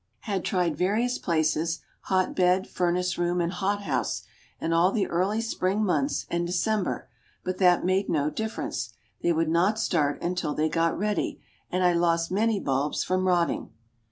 Had tried various places, hot bed, furnace room and hot house, and all the early spring months and December, but that made no difference; they would not start until they got ready, and I lost many bulbs from rotting.